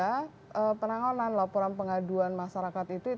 maka kemungkinan laporan pengaduan masyarakat itu